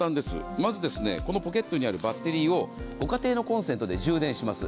まずこのポケットにあるバッテリーをご家庭のコンセントで充電します。